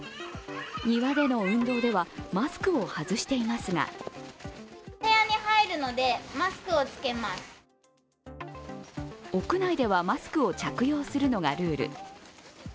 庭での運動ではマスクを外していますが屋内ではマスクを着用するのがルール。